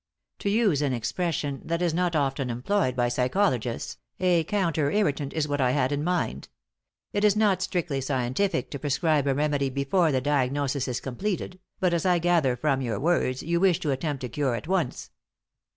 To use an expression that is not often employed by psychologists, a counter irritant is what I had in mind. It is not strictly scientific to prescribe a remedy before the diagnosis is completed, but, as I gather from your words, you wish to attempt a cure at once."